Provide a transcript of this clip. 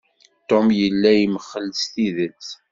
Tom yella yemxell s tidet.